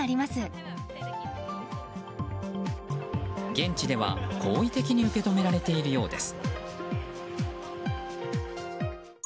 現地では好意的に受け止められているようです。